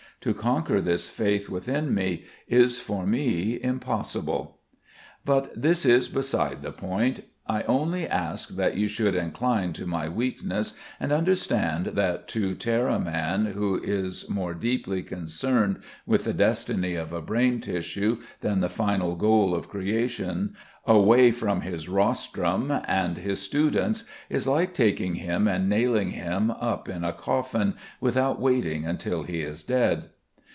To conquer this faith within me is for me impossible. But this is beside the point. I only ask that you should incline to my weakness and understand that to tear a man who is more deeply concerned with the destiny of a brain tissue than the final goal of creation away from his rostrum and his students is like taking him and nailing him up in a coffin without waiting until he is dead.